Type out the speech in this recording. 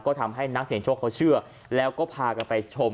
ก็ทำให้นักเสียงโชคเขาเชื่อแล้วก็พากันไปชม